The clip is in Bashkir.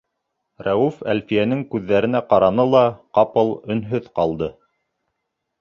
Рәүеф Әлфиәнең күҙҙәренә ҡараны ла, ҡапыл өнһөҙ ҡалды.